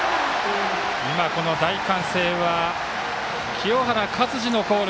大歓声は清原勝児のコール。